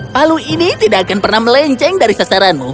palu ini tidak akan pernah melenceng dari sasaranmu